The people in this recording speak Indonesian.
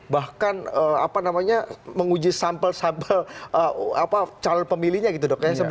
bahkan apa namanya menguji sampel sampel calon pemilihnya gitu dok ya